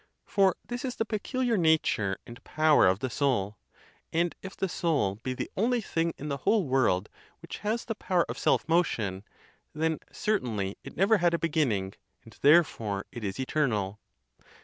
For this is the peculiar nature and power of the soul; and if the soul be the only thing in the whole world which has the power of self motion, then certainly it never had a beginning, and therefore it is eternal."